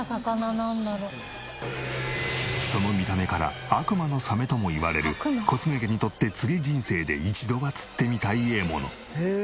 その見た目から悪魔のサメともいわれる小菅家にとって釣り人生で一度は釣ってみたい獲物。